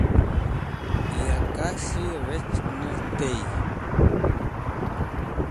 ya kas̃hi rec̃h'ner tey